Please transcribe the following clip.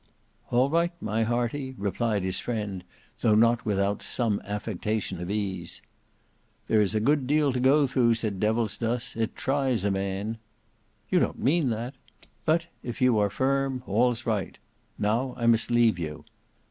"All right, my hearty," replied his friend, though not without some affectation of ease. "There is a good deal to go through," said Devilsdust. "It tries a man." "You don't mean that?" "But if you are firm, all's right. Now I must leave you."